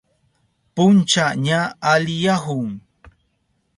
Puncha ña aliyahun.